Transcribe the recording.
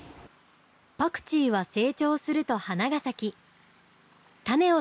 パクチーは成長すると花が咲き種をつけます。